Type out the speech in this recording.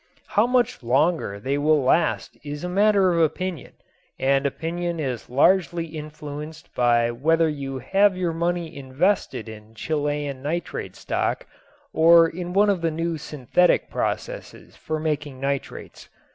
How much longer they will last is a matter of opinion and opinion is largely influenced by whether you have your money invested in Chilean nitrate stock or in one of the new synthetic processes for making nitrates.